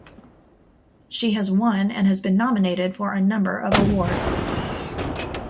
She has won and has been nominated for a number of awards.